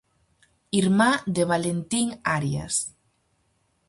Irmá de Valentín Arias.